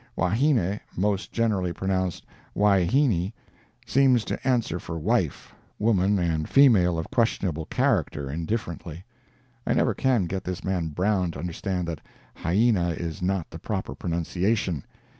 (Wahine [most generally pronounced Wyheeny], seems to answer for wife, woman and female of questionable character, indifferently. I never can get this man Brown to understand that "hyena" is not the proper pronunciation.